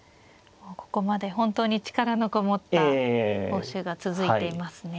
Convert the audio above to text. ここまで本当に力のこもった応酬が続いていますね。